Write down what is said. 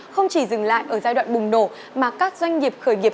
không chỉ dừng lại ở giai đoạn bùng nổ mà các doanh nghiệp khởi nghiệp